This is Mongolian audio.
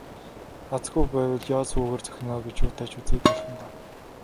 Аз хүү байвал ёоз хүүгээр цохино оо гэж юутай ч үзээд алдана даа.